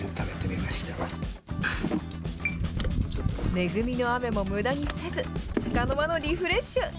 恵みの雨もむだにせず、つかの間のリフレッシュ。